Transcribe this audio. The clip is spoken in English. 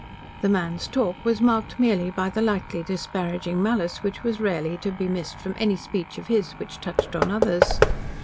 The man's talk was marked merely by the lightly disparaging malice which was rarely to be missed from any speech of his which touched on others.